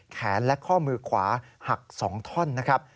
แขนและข้อมือขวาหัก๒ท่อนนะครับ